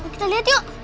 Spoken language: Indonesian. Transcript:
kita liat yuk